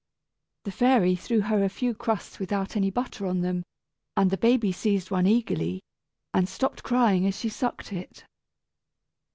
The fairy threw her a few crusts without any butter on them, and the baby seized one eagerly, and stopped crying as she sucked it.